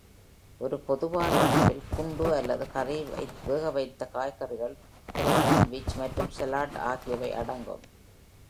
ஒரு பொதுவான உணவில் குண்டு அல்லது கறி, வேகவைத்த காய்கறிகள், ஒரு சாண்ட்விச் மற்றும் சாலட் ஆகியவை அடங்கும்.